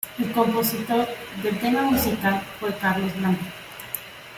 El compositor del tema musical fue Carlos Blanco.